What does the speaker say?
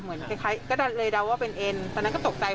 คล้ายก็เลยเดาว่าเป็นเอ็นตอนนั้นก็ตกใจ